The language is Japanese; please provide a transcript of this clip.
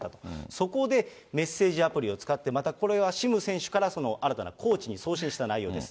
そこでメッセージアプリを使って、またこれは、シム選手から新たなコーチに送信した内容です。